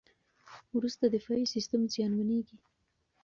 وروسته دفاعي سیستم زیانمنېږي.